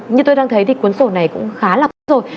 như tôi đang thấy thì quấn sổ này cũng khá là tốt rồi